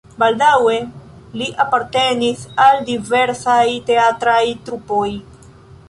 Baldaŭe li apartenis al diversaj teatraj trupoj.